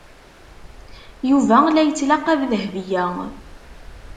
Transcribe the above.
Yuba la yettlaqab Dahbiya.